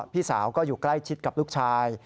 พี่สาวก็อยู่ใกล้ชิดกับลูกชาย